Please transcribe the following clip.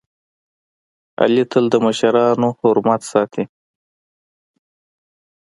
علي تل د مشرانو حرمت ساتي.